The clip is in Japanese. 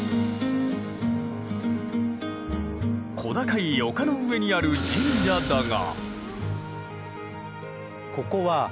小高い丘の上にある神社だが。